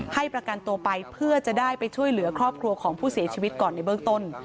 ประกันตัวไปเพื่อจะได้ไปช่วยเหลือครอบครัวของผู้เสียชีวิตก่อนในเบื้องต้น